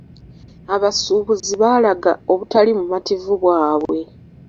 Abasuubuzi baalaga obutali bumativu bwabwe.